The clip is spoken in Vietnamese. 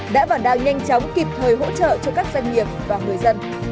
đã và đang nhanh chóng kịp thời hỗ trợ cho các doanh nghiệp và người dân